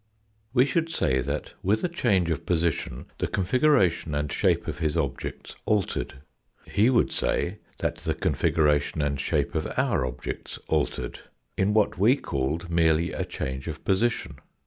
We should say that, with a change of position, the configuration and shape of his objects altered. He would say that the configuration and shape of our objects altered in what we called merely a change of position.